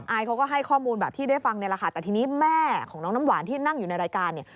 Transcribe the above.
เขาก็ให้ข้อมูลแบบที่ได้ฟังเนี่ยแหละค่ะแต่ทีนี้แม่ของน้องน้ำหวานที่นั่งอยู่ในรายการเนี่ย